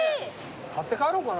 買って帰ろうかな。